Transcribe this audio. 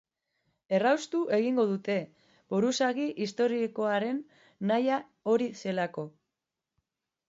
Erraustu egingo dute, buruzagi historikoaren nahia hori zelako.